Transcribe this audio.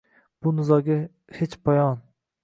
Bu nizoga hech poyon.